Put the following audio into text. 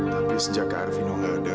tapi sejak ke arvino nggak ada